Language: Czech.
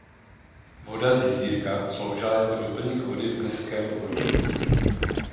Voda z jezírka sloužila jako doplněk vody v městském vodovodu.